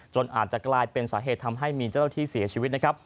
อาจจะกลายเป็นสาเหตุทำให้มีเจ้าหน้าที่เสียชีวิตนะครับ